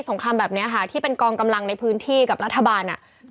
งครามแบบนี้ค่ะที่เป็นกองกำลังในพื้นที่กับรัฐบาลอ่ะ